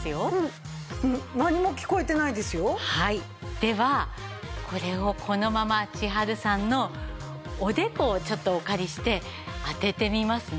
ではこれをこのまま千春さんのおでこをちょっとお借りして当ててみますね。